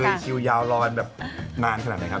มีคิวยาวรอนแบบนานขนาดไหนครับ